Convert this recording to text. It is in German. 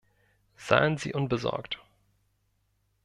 Seien Sie unbesorgt!